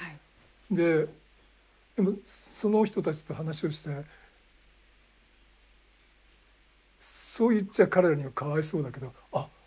でその人たちと話をしてそう言っちゃ彼らにはかわいそうだけどあっ